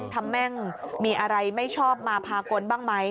แม่งมีอะไรไม่ชอบมาพากลบ้างไหม